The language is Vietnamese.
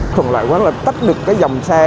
thường loại quán là tách được cái dòng xe